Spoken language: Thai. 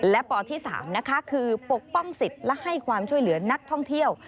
และปที่๓นะคะคือปกป้องสิทธิ์และให้ความช่วยเหลือนักท่องเที่ยว